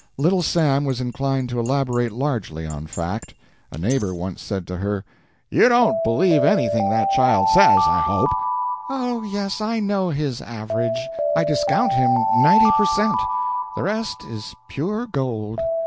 Little Sam was inclined to elaborate largely on fact. A neighbor once said to her: "You don't believe anything that child says, I hope." "Oh yes, I know his average. I discount him ninety per cent. The rest is pure gold."